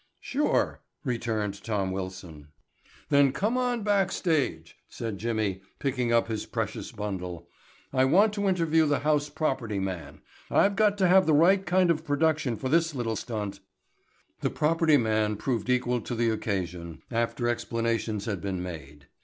"Sure," returned Tom Wilson. "Then come on back stage," said Jimmy, picking up his precious bundle. "I want to interview the house property man. I've got to have the right kind of a production for this little stunt." The property man proved equal to the occasion, after explanations had been made.